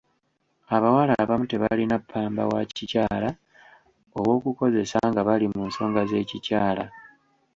Abawala abamu tebalina ppamba wa kikyala ow'okukozesa nga bali mu nsonga z'ekikyala.